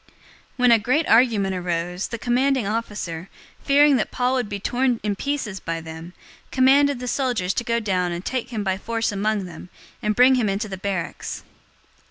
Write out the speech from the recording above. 023:010 When a great argument arose, the commanding officer, fearing that Paul would be torn in pieces by them, commanded the soldiers to go down and take him by force from among them, and bring him into the barracks.